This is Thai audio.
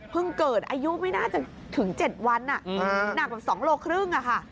เกิดอายุไม่น่าจะถึง๗วันหนักแบบ๒โลครึ่งอะค่ะ